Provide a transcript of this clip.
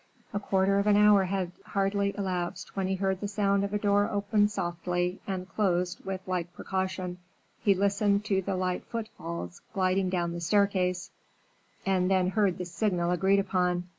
A quarter of an hour had hardly elapsed when he heard the sound of a door opened softly, and closed with like precaution. He listened to the light footfalls gliding down the staircase, and then heard the signal agreed upon.